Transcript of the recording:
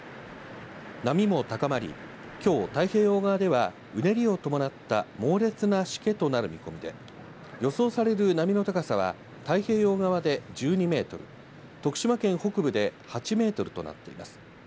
波も高まりきょう太平洋側ではうねりを伴った猛烈なしけとなる見込みで予想される波の高さは太平洋側で１２メートル、徳島県北部で８メートルとなっています。